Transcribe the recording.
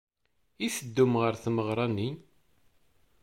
I teddum ɣer tmeɣra-nni?